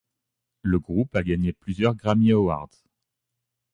Le groupe a gagné plusieurs Grammy awards.